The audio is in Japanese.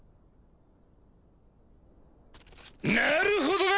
なるほどな！